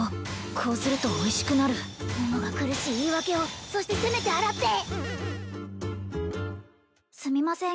こうするとおいしくなる桃が苦しい言い訳をそしてせめて洗ってすみません